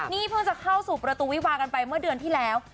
นี่เพิ่งจะเข้าสู่ประตูวิวากันไปเมื่อเดือนที่แล้ว